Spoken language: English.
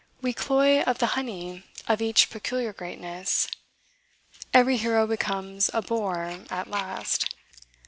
We cloy of the honey of each peculiar greatness. Every hero becomes a bore at last.